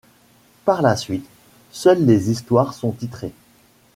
Par la suite, seules les histoires sont titrées.